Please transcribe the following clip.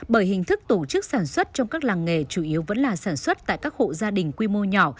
bởi hình thức tổ chức sản xuất trong các làng nghề chủ yếu vẫn là sản xuất tại các hộ gia đình quy mô nhỏ